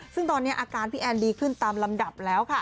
ซึ่งตอนนี้อาการพี่แอนดีขึ้นตามลำดับแล้วค่ะ